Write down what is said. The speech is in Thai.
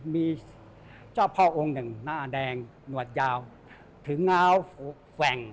มีเจ้าพ่อองค์หนึ่งหน้าแดงหนวดยาวถึงง้าวแกว่ง